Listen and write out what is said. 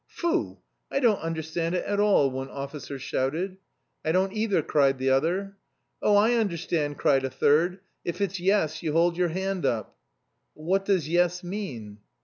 "Foo! I don't understand it at all," one officer shouted. "I don't either," cried the other. "Oh, I understand," cried a third. "If it's yes, you hold your hand up." "But what does 'yes' mean?"